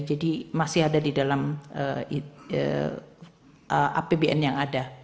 jadi masih ada di dalam apbn yang ada